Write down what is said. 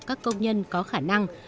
các công nhân có khả năng